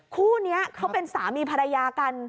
คู่นี้เขาเป็นสามีภรรยากัน